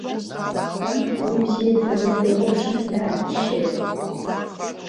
Кама уи бзиа дбаны длыхәаԥшны дааччеит.